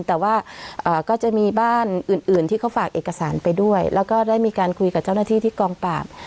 แต่ว่าก็จะมีบ้านอื่นที่เขาฝากเอกสารไปด้วยแล้วก็ได้มีการคุยกับเจ้าหน้าที่ที่กองปราบ